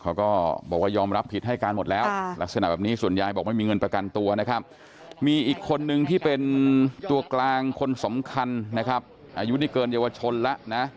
เขาก็บอกว่ายอมรับผิดให้การหมดแล้วลักษณะแบบนี้ส่วนยายบอกไม่มีเงินประกันตัวนะครับมีอีกคนนึงที่เป็นตัวกลางคนสำคัญนะครับอายุนี่เกินเยาวชนแล้วนะ